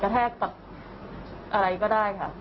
กระแทกอะไรก็ได้ค่ะแล้วแต่